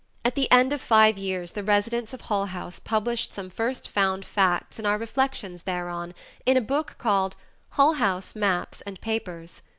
At the end of five years the residents of Hull House published some first found facts and our reflections thereon in a book called "Hull House Maps and Papers."